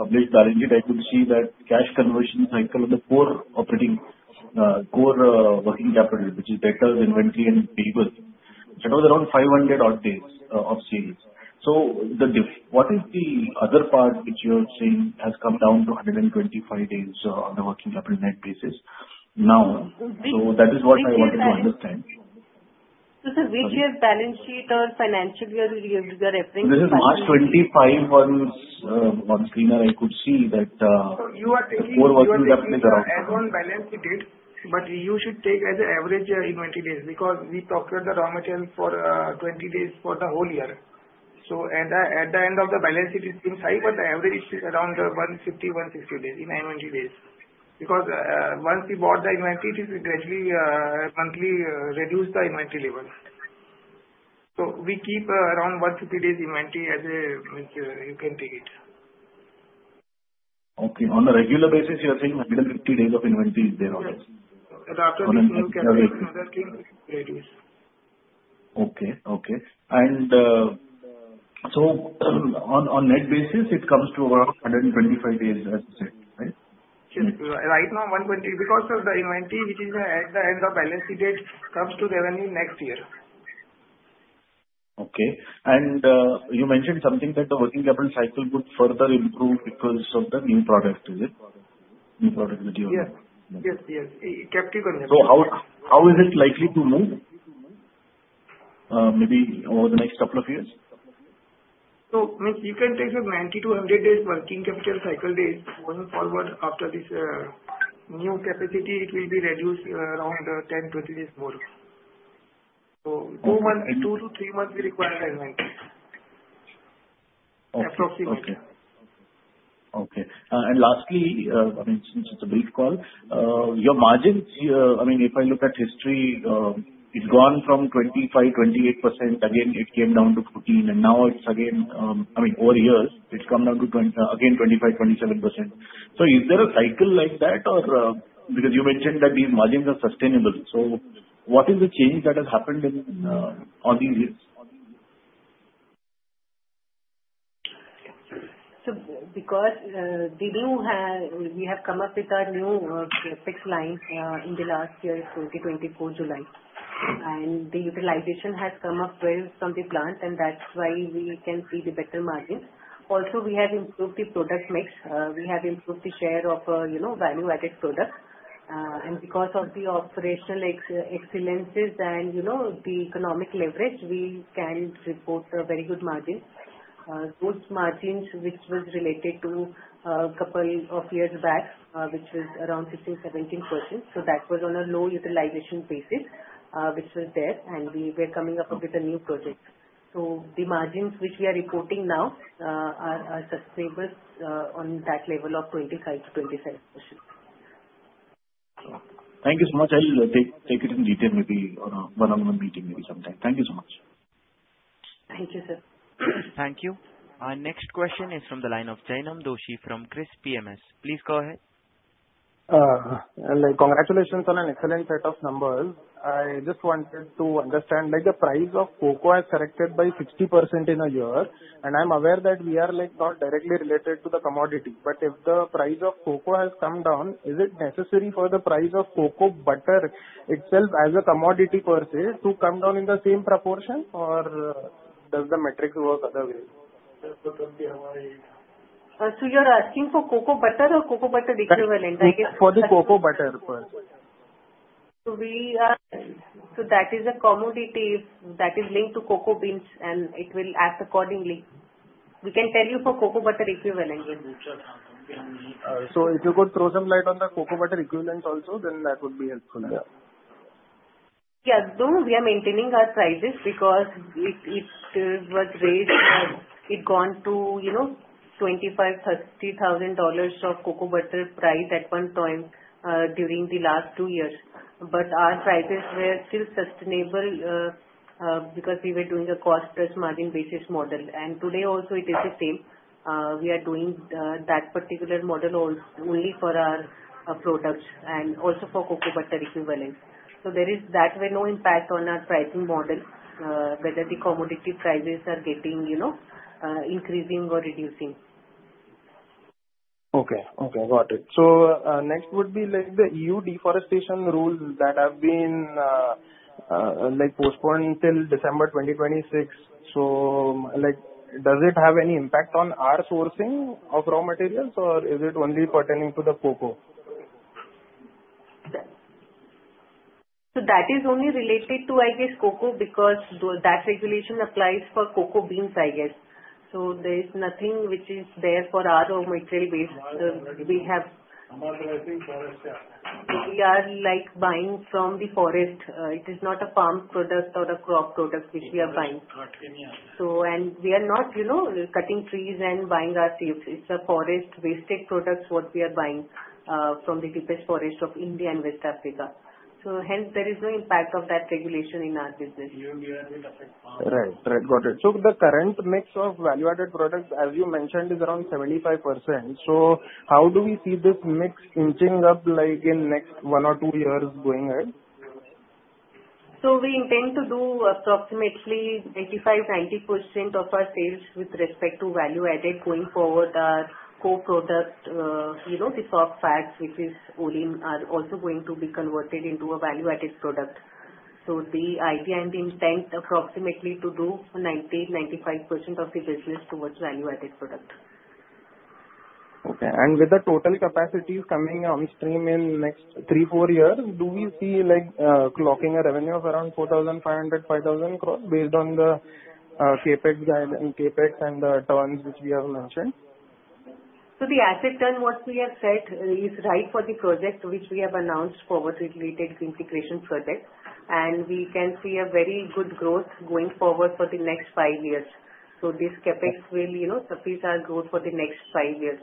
published balance sheet, I could see that cash conversion cycle in the core operating working capital, which is receivables, inventory and payables. It was around 500-odd days of sales. What is the other part which you're saying has come down to 125 days on the working capital net basis now? Which year balance? That is what I wanted to understand. Sir, which year balance sheet or financial year is your reference? This is March 25 on Screener. I could see that. You are taking. The core working capital. You are taking as on balance sheet date, but you should take as an average year inventory days, because we procure the raw material for 20 days for the whole year. At the end of the balance sheet it seems high, but the average is around 150, 160 days in inventory days. Because once we bought the inventory, we gradually monthly reduce the inventory levels. We keep around 150 days inventory as a, which you can take it. Okay. On a regular basis, you are saying 150 days of inventory is there always. Yes. Or as- After using capital, another thing reduce. Okay. So, on net basis, it comes to around 125 days as you said, right? Right now, 120. Because of the inventory, which is at the end of balance sheet date, comes to revenue next year. Okay. You mentioned something that the working capital cycle would further improve because of the new product. Is it new product that you have? Yes. Yes. Yes. It kept it going. How is it likely to move, maybe over the next couple of years? Like, you can take the 90-100 days working capital cycle days going forward after this new capacity, it will be reduced around 10-20 days more. Two months, 2-3 months we require as right. Okay. Approximately. Okay. Lastly, I mean, since it's a brief call, your margins, I mean, if I look at history, it's gone from 25-28%. Again, it came down to 14, and now it's again, I mean, over years, it's come down to again, 25-27%. Is there a cycle like that or, because you mentioned that these margins are sustainable? What is the change that has happened in all these years? Because we have come up with our new fractionation line in July 2024, and the utilization has come up well from the plant and that's why we can see the better margins. Also, we have improved the product mix. We have improved the share of, you know, value-added products. And because of the operational excellences and, you know, the economic leverage, we can report a very good margin. Those margins which was related to couple of years back, which was around 16-17%. That was on a low utilization basis, which was there, and we were coming up with a new project. The margins which we are reporting now are sustainable on that level of 25%-27%. Thank you so much. I'll take it in detail maybe on a one-on-one meeting maybe sometime. Thank you so much. Thank you, sir. Thank you. Our next question is from the line of Jainam Doshi from KRIIS PMS. Please go ahead. Like, congratulations on an excellent set of numbers. I just wanted to understand, like, the price of cocoa has corrected by 60% in a year, and I'm aware that we are, like, not directly related to the commodity. But if the price of cocoa has come down, is it necessary for the price of cocoa butter itself as a commodity purchase to come down in the same proportion, or does the metric work other way? You're asking for cocoa butter or cocoa butter equivalent? For the cocoa butter part. That is a commodity that is linked to cocoa beans and it will act accordingly. We can tell you for cocoa butter equivalent. If you could throw some light on the cocoa butter equivalents also, then that would be helpful. Yes. We are maintaining our prices because it was raised, it gone to, you know, $25,000-$30,000 of cocoa butter price at one point during the last two years. Our prices were still sustainable because we were doing a cost-plus margin basis model. Today also it is the same. We are doing that particular model only for our products and also for cocoa butter equivalent. There is that way, no impact on our pricing model whether the commodity prices are getting, you know, increasing or reducing. Okay. Got it. Next would be like the EU Deforestation Regulation that have been like postponed till December 2026. Like, does it have any impact on our sourcing of raw materials, or is it only pertaining to the cocoa? That is only related to, I guess, cocoa because that regulation applies for cocoa beans, I guess. There is nothing which is there for our raw material base. We are like buying from the forest. It is not a farm product or a crop product which we are buying. We are not, you know, cutting trees and buying our seeds. It's a forest-based state products what we are buying from the deepest forest of India and West Africa. Hence there is no impact of that regulation in our business. Right. Right. Got it. The current mix of value-added products, as you mentioned, is around 75%. How do we see this mix inching up, like, in next one or two years going ahead? We intend to do approximately 85%-90% of our sales with respect to value-added going forward. Our co-product, the soft fats, which is Olein, are also going to be converted into a value-added product. The idea and the intent approximately to do 90%-95% of the business towards value-added product. Okay. With the total capacity coming on stream in next 3-4 years, do we see like clocking a revenue of around 4,500-5,000 crore based on the Capex and the returns which we have mentioned? The asset turnover that we have set is right for the project which we have announced for the related green creation project, and we can see a very good growth going forward for the next five years. This Capex will, you know, suffice our growth for the next five years.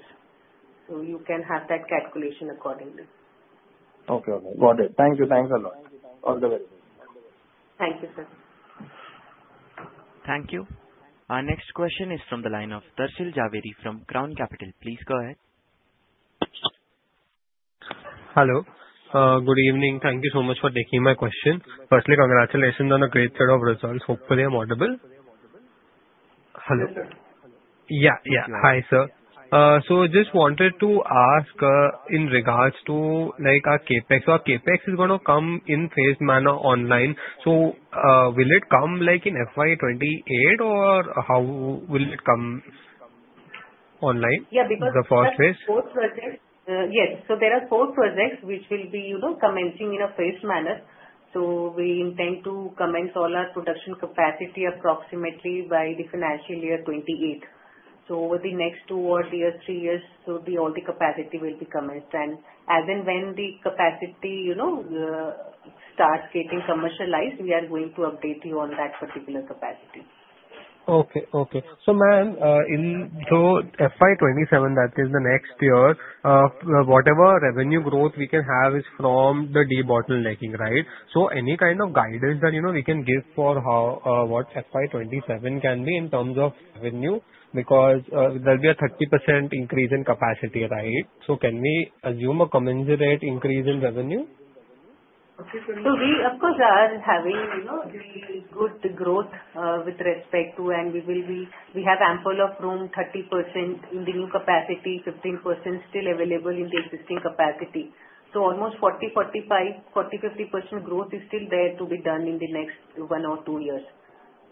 You can have that calculation accordingly. Okay. Got it. Thank you. Thanks a lot. All the best. Thank you, sir. Thank you. Our next question is from the line of Darshil Jhaveri from Crown Capital. Please go ahead. Hello. Good evening. Thank you so much for taking my question. Firstly, congratulations on a great set of results. Hopefully I'm audible. Hello. Yeah, yeah. Hi, sir. Just wanted to ask, in regards to, like, our Capex. Our Capex is gonna come in phased manner online. Will it come, like, in FY 2028 or how will it come online? Yeah, because. The first phase. Yes. There are four projects which will be, you know, commencing in a phased manner. We intend to commence all our production capacity approximately by the financial year 2028. Over the next two or three years all the capacity will be commenced. As and when the capacity, you know, starts getting commercialized, we are going to update you on that particular capacity. Ma'am, in the FY 2027, that is the next year, whatever revenue growth we can have is from the debottlenecking, right? Any kind of guidance that, you know, we can give for how, what FY 2027 can be in terms of revenue? Because, there'll be a 30% increase in capacity, right? Can we assume a commensurate increase in revenue? We of course are having, you know, the good growth with respect to. We have ample room, 30% in the new capacity, 15% still available in the existing capacity. Almost 40, 45, 40, 50% growth is still there to be done in the next one or two years.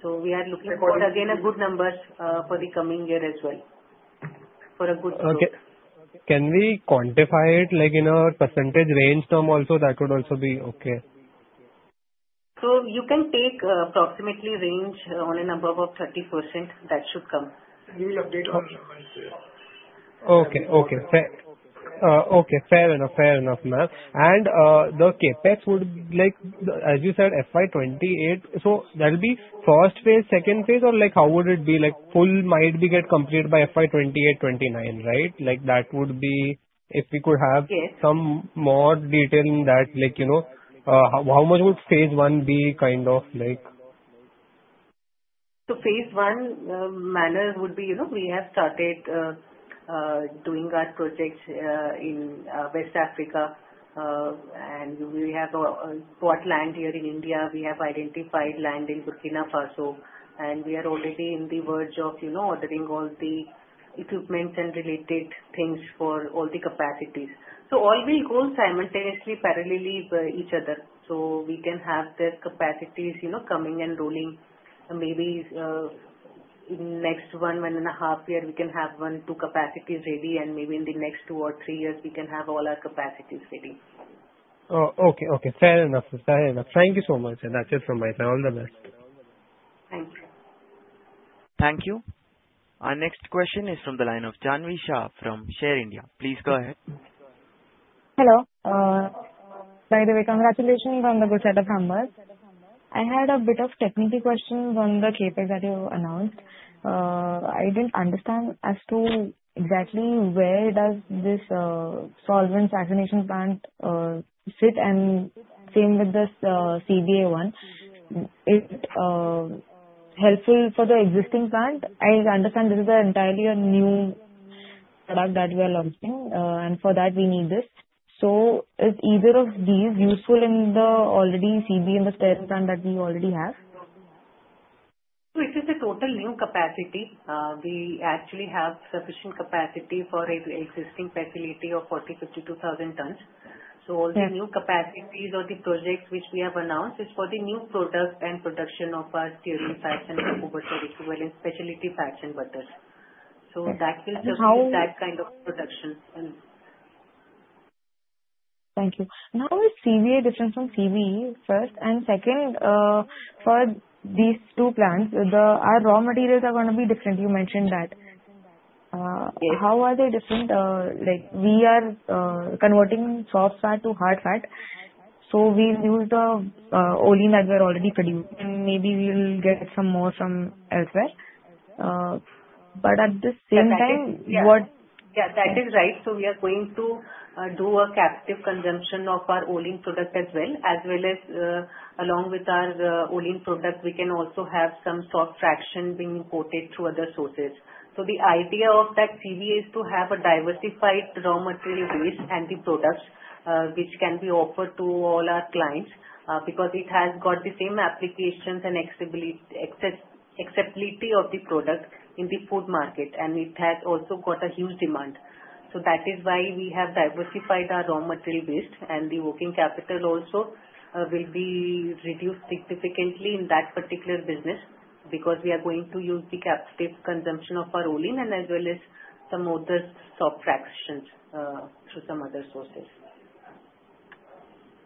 We are looking for, again, a good numbers for the coming year as well, for a good growth. Okay. Can we quantify it, like, in a percentage range term also? That could also be okay. You can take approximately range on a number of 30% that should come. We will update on numbers, yeah. Okay. Fair enough. Fair enough, ma'am. The Capex would, like, as you said, FY 2028. So that'll be first phase, second phase, or, like, how would it be? Like, full might be get completed by FY 2028, 2029, right? Like, that would be. If we could have- Yes. Some more detail in that. Like, you know, how much would phase one be kind of like? Phase 1, Manorama would be, you know, we have started doing our projects in West Africa. We have bought land here in India. We have identified land in Burkina Faso, and we are already on the verge of, you know, ordering all the equipment and related things for all the capacities. All will go simultaneously, parallelly with each other. We can have the capacities, you know, coming and rolling. Maybe in the next 1-1.5 years, we can have 1-2 capacities ready, and maybe in the next two or three years, we can have all our capacities ready. Oh, okay. Fair enough. Thank you so much. That's it from my side. All the best. Thank you. Thank you. Our next question is from the line of Jahnvi Shah from Share India. Please go ahead. Hello. By the way, congratulations on the good set of numbers. I had a bit of technical questions on the Capex that you announced. I didn't understand as to exactly where does this, solvent fractionation plant, sit, and same with this, CBA one. Is it, helpful for the existing plant? I understand this is an entirely a new product that we are launching, and for that we need this. Is either of these useful in the already CB and the plant that we already have? This is a totally new capacity. We actually have sufficient capacity for existing facility of 40,000-52,000 tons. Yes. All the new capacities or the projects which we have announced is for the new product and production of our stearin fats and Cocoa Butter Equivalent, specialty fats and butters. Okay. How- That is just that kind of production and. Thank you. How is CBA different from CBE, first? Second, for these two plants, our raw materials are gonna be different, you mentioned that. Yes. How are they different? Like, we are converting soft fat to hard fat, so we'll use the olein as we are already producing. Maybe we'll get some more from elsewhere. At the same time, Yeah. Yeah, that is right. We are going to do a captive consumption of our olein product as well. As well as, along with our olein product, we can also have some soft fraction being imported through other sources. The idea of that CBA is to have a diversified raw material base and the products which can be offered to all our clients because it has got the same applications and acceptability of the product in the food market, and it has also got a huge demand. That is why we have diversified our raw material base. The working capital also will be reduced significantly in that particular business because we are going to use the captive consumption of our olein and as well as some other soft fractions through some other sources.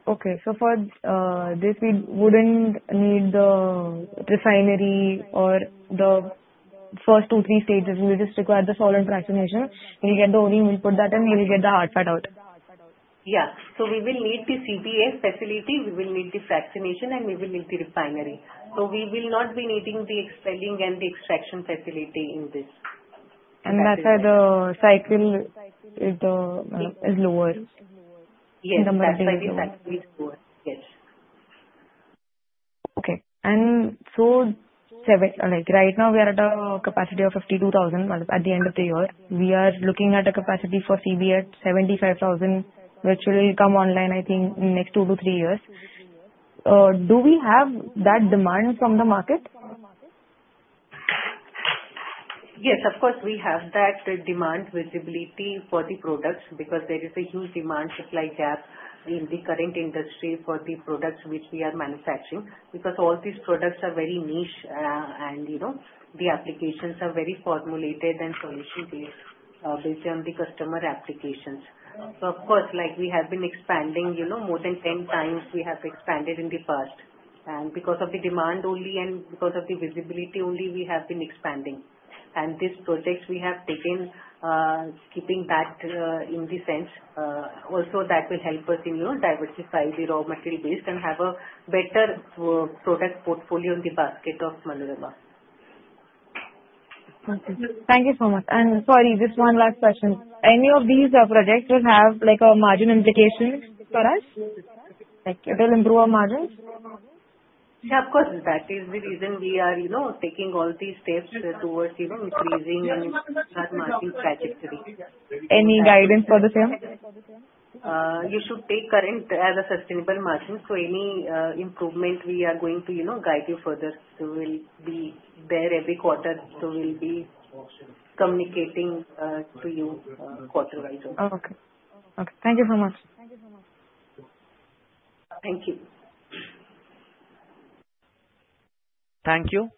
Okay. For this we wouldn't need the refinery or the first two, three stages. We just require the solvent fractionation. We'll get the olein input that time, we will get the hard fat out. Yeah. We will need the CBA facility, we will need the fractionation, and we will need the refinery. We will not be needing the expelling and the extraction facility in this. That's why the cycle is lower. Yes. The material. That's why the cycle is lower. Yes. Okay. Like, right now we are at a capacity of 52,000 at the end of the year. We are looking at a capacity for CBA at 75,000, which will come online I think in next two to three years. Do we have that demand from the market? Yes, of course, we have that demand visibility for the products because there is a huge demand supply gap in the current industry for the products which we are manufacturing. Because all these products are very niche, and, you know, the applications are very formulated and solution-based, based on the customer applications. Of course, like we have been expanding, you know, more than 10 times we have expanded in the past. Because of the demand only and because of the visibility only, we have been expanding. This project we have taken, keeping that, in the sense, also that will help us, you know, diversify the raw material base and have a better product portfolio in the basket of Manorama. Okay. Thank you so much. Sorry, just one last question. Any of these projects will have, like, a margin implications for us? Like it will improve our margins? Yeah, of course. That is the reason we are, you know, taking all these steps towards, you know, increasing our margin trajectory. Any guidance for the same? You should take current as a sustainable margin. Any improvement we are going to, you know, guide you further. We'll be there every quarter, so we'll be communicating to you quarter-by-quarter. Okay. Thank you so much. Thank you. Thank you.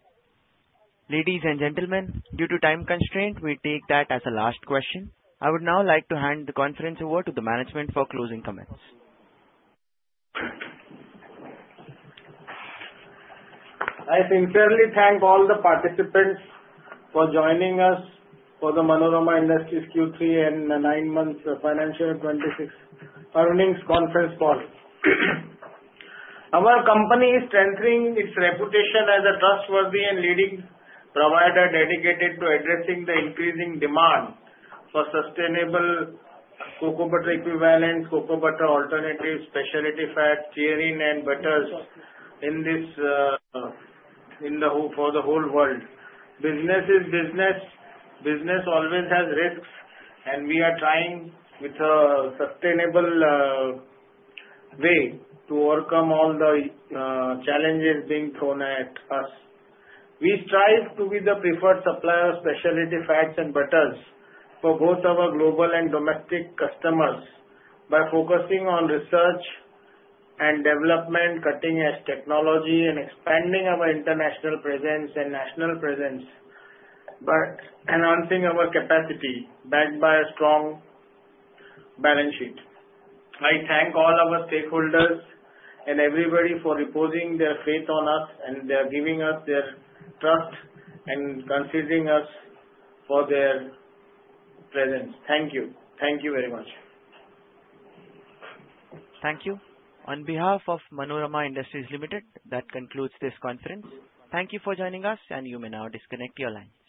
Ladies and gentlemen, due to time constraint, we take that as a last question. I would now like to hand the conference over to the management for closing comments. I sincerely thank all the participants for joining us for the Manorama Industries Q3 and nine months financial 2026 earnings conference call. Our company is strengthening its reputation as a trustworthy and leading provider dedicated to addressing the increasing demand for sustainable cocoa butter equivalent, cocoa butter alternatives, specialty fats, stearin and butters for the whole world. Business is business. Business always has risks, and we are trying with a sustainable way to overcome all the challenges being thrown at us. We strive to be the preferred supplier of specialty fats and butters for both our global and domestic customers by focusing on research and development, cutting-edge technology, and expanding our international presence and national presence by enhancing our capacity backed by a strong balance sheet. I thank all our stakeholders and everybody for reposing their faith on us, and they are giving us their trust and considering us for their presence. Thank you. Thank you very much. Thank you. On behalf of Manorama Industries Limited, that concludes this conference. Thank you for joining us, and you may now disconnect your lines.